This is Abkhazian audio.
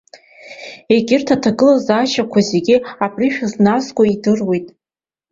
Егьырҭ аҭагылазаашьақәа зегьы абри шәызназго идыруеит.